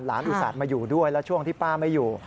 อุตส่าห์มาอยู่ด้วยแล้วช่วงที่ป้าไม่อยู่